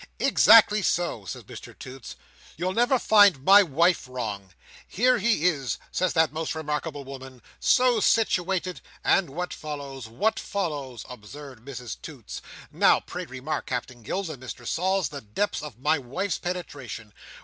"Exactly so," says Mr Toots. "You'll never find my wife wrong. 'Here he is,' says that most remarkable woman, 'so situated,—and what follows? What follows?' observed Mrs Toots. Now pray remark, Captain Gills, and Mr Sols, the depth of my wife's penetration.